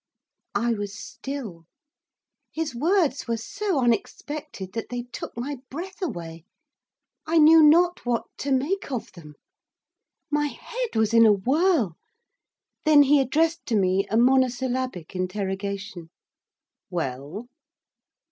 I was still. His words were so unexpected that they took my breath away. I knew not what to make of them. My head was in a whirl. Then he addressed to me a monosyllabic interrogation. 'Well?